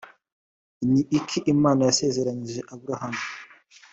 ni iki imana yasezeranyije aburahamu